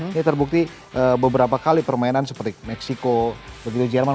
ini terbukti beberapa kali permainan seperti meksiko begitu jerman